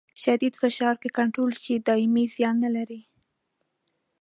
شدید فشار که کنټرول شي دایمي زیان نه لري.